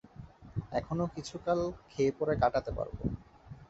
এখনো কিছুকাল খেয়ে পরে কাটাতে পারব।